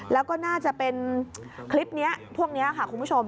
แล้วก็น่าจะเป็นคลิปนี้พวกนี้ค่ะคุณผู้ชม